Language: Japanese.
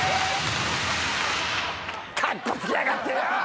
カッコつけやがってよ！